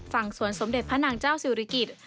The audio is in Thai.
ฝั่งสวนสมเด็จพระนางเจ้าศิริกิจ